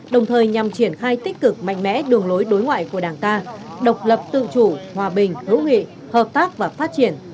đồng thời nhằm triển khai tích cực mạnh mẽ đường lối đối ngoại của đảng ta độc lập tự chủ hòa bình hữu nghị hợp tác và phát triển